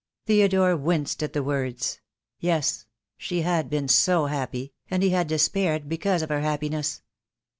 Theodore winced at the words. Yes, she had been so happy, and he had despaired because of her happi ness.